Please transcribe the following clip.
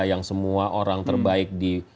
yang semua orang terbaik di